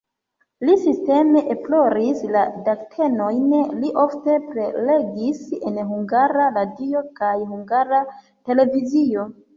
Li sisteme esploris la datenojn, li ofte prelegis en Hungara Radio kaj Hungara Televizio.